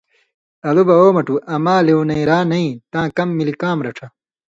”الو بہ او مٹُو، اما لېونئرا نَیں تاں کم ملی کام رڇھہ۔